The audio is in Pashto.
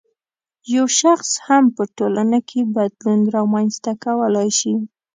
یو شخص هم په ټولنه کې بدلون رامنځته کولای شي.